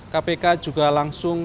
kpk juga langsung